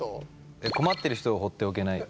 「困ってる人を放っておけない」。